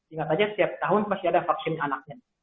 ingat aja setiap tahun pasti ada vaksin anaknya